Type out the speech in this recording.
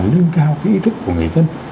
nâng cao cái ý thức của người dân